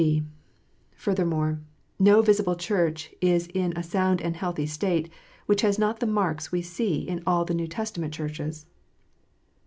(d) Furthermore, no visible. Church is in a sound and healthy state, which has not the marks we see in all the New Testament Churches.